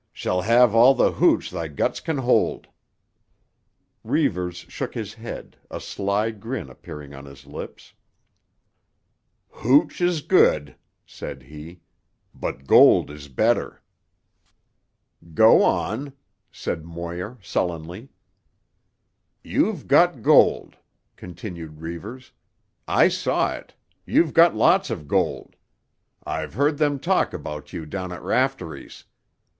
"Shall have all tuh hooch thy guts can hold." Reivers shook his head, a sly grin appearing on his lips. "Hooch is good," said he, "but gold is better." "Go on," said Moir sullenly. "You've got gold," continued Reivers. "I saw it. You've got lots of gold; I've heard them talk about you down at Raftery's.